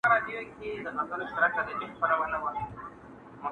نو به ګورې چي نړۍ دي